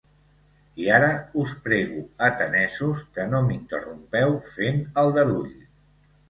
I ara, us prego, atenesos, que no m'interrompeu fent aldarull